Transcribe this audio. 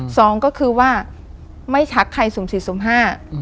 สองก็คือว่าไม่ชักใครสุ่มสี่สุ่มห้า